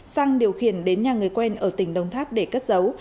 sang điều khiển đến nhà người quen ở tỉnh đồng tháp để cất giấu